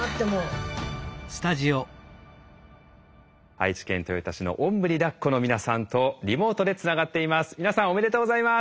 愛知県豊田市の「おんぶにだっこ」の皆さんとリモートでつながっています。